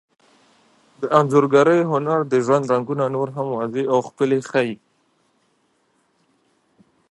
د انځورګرۍ هنر د ژوند رنګونه نور هم واضح او ښکلي ښيي.